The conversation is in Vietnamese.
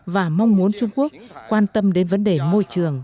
và mong muốn trung quốc quan tâm đến vấn đề môi trường